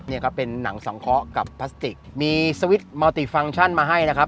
เนี้ยครับเป็นหนังสองเคาะกับพลาสติกมีมาให้นะครับ